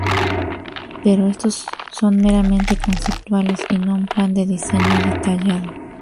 Pero estos son meramente conceptuales y no un plan de diseño detallado.